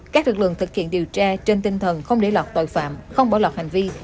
các lực lượng thực hiện điều tra trên tinh thần không để lọt tội phạm không bỏ lọt hành vi